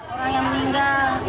orang yang menda